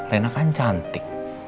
rena kan cantik